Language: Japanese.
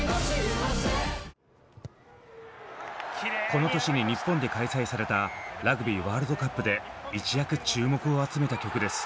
この年に日本で開催されたラグビーワールドカップで一躍注目を集めた曲です。